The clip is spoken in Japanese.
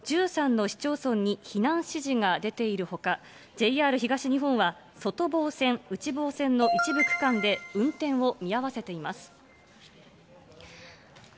１３の市町村に避難指示が出ているほか、ＪＲ東日本は外房線、内房線の一部区間で運転を見合わせています。